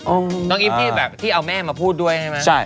น้องอีฟที่แบบที่เอาแม่มาพูดด้วยใช่ไหม